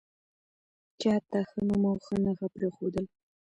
چې حتی ښه نوم او ښه نښه پرېښودل